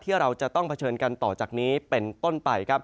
ที่เราจะต้องเผชิญกันต่อจากนี้เป็นต้นไปครับ